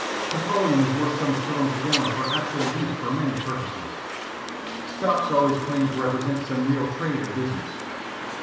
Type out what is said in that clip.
Petroleum is worth some shillings a gallon for actual use for many purposes. Stocks always claim to represent some real trade or business.